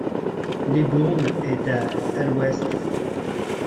Libourne est à à l'ouest.